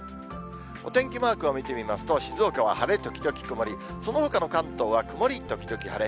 お天気マークを見てみますと、静岡は晴れ時々曇り、そのほかの関東は曇り時々晴れ。